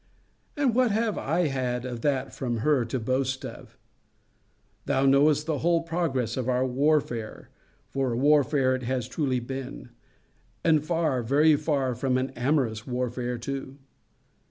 And what have I had of that from her to boast of? Thou knowest the whole progress of our warfare: for a warfare it has truly been; and far, very far, from an amorous warfare too.